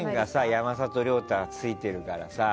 山里亮太はついてるからさ。